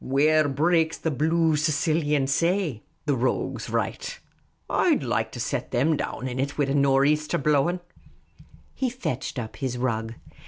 Where breaks the blue Sicilian say,' the rogues write. I'd like to set them down in it, wid a nor' easter blowing !" He fetched up his rug.